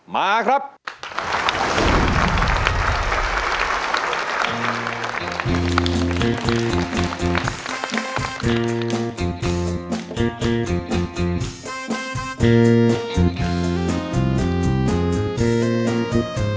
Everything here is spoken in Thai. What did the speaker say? มาครับ